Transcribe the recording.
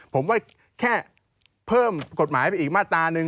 ผมว่าแค่เพิ่มกฎหมายไปอีกมาตราหนึ่ง